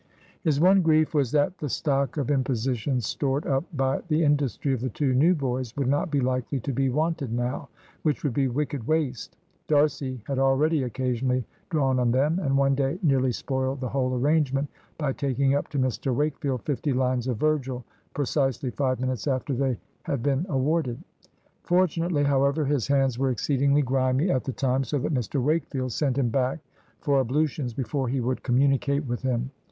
His one grief was that the stock of impositions stored up by the industry of the two new boys would not be likely to be wanted now, which would be wicked waste. D'Arcy had already occasionally drawn on them, and one day nearly spoiled the whole arrangement by taking up to Mr Wakefield fifty lines of Virgil precisely five minutes after they had been awarded. Fortunately, however, his hands were exceedingly grimy at the time, so that Mr Wakefield sent him back for ablutions before he would communicate with him.